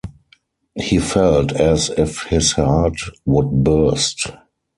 He felt as if his heart would burst.